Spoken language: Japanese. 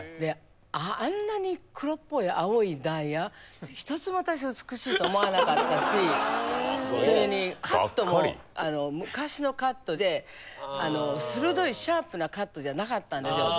あんなに黒っぽい青いダイヤ一つも私は美しいと思わなかったしそれにカットも昔のカットで鋭いシャープなカットじゃなかったんですよ。